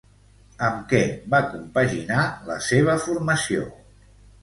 Amb què va compaginar la seva formació?